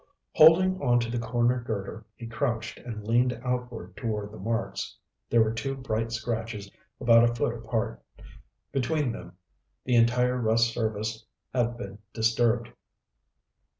Holding on to the corner girder, he crouched and leaned outward toward the marks. There were two bright scratches about a foot apart. Between them the entire rust surface had been disturbed.